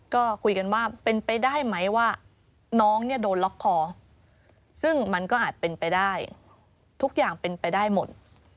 ก็คุยกันว่าเป็นไปได้ไหมว่าน้องเนี่ยโดนล็อกคอซึ่งมันก็อาจเป็นไปได้ทุกอย่างเป็นไปได้หมด